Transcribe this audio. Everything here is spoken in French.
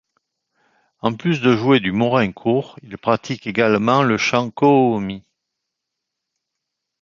En plus de jouer du morin khuur, il pratique également le chant khöömii.